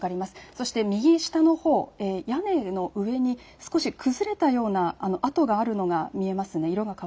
そして右下のほう、屋根の上に崩れたようなあとがあるのが見えます。